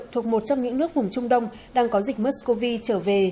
thuộc một trong những nước vùng trung đông đang có dịch mers cov trở về